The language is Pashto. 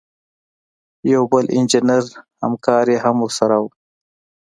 یو بل انجینر همکار یې هم ورسره و.